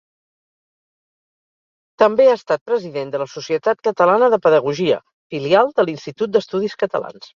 També ha estat president de la Societat Catalana de Pedagogia, filial de l'Institut d'Estudis Catalans.